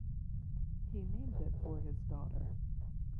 He named it for his daughter.